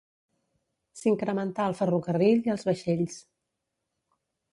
S'incrementà el ferrocarril i els vaixells.